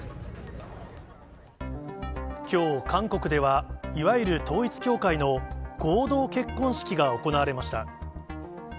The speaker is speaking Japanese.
きょう、韓国では、いわゆる統一教会の合同結婚式が行われました。